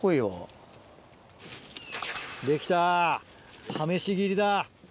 できた試し切りだ。